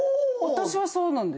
私はそうなんです。